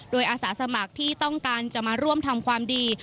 โดยอาสาสมัครที่ต้องการจะมาร่วมทำความดี